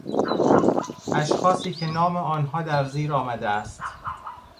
اشخاصی که نام آنها در زیر آمده است.